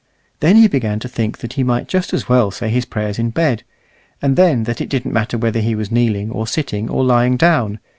Then he began to think that he might just as well say his prayers in bed, and then that it didn't matter whether he was kneeling, or sitting, or lying down.